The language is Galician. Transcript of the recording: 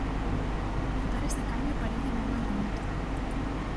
Notar ese cambio paréceme moi bonito.